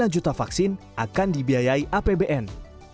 tujuh puluh tiga sembilan juta vaksin akan dibiayai apbn